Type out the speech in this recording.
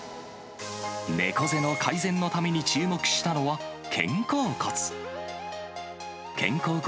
猫背の改善のために注目したのは、肩甲骨。